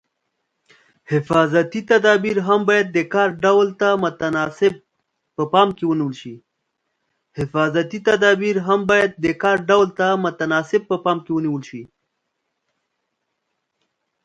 حفاظتي تدابیر هم باید د کار ډول ته متناسب په پام کې ونیول شي.